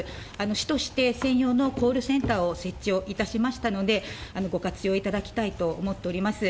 市として専用のコールセンターを設置をいたしましたので、ご活用いただきたいと思っております。